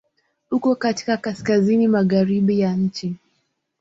Uko katika kaskazini-magharibi ya nchi.